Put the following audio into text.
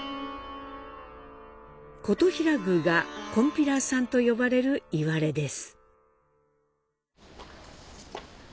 金刀比羅宮が「こんぴらさん」と呼ばれるいわれです。